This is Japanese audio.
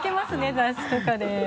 雑誌とかで。